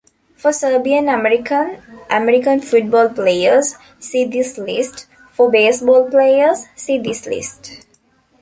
For Serbian-American American football players, see this list; for baseball players, see this list.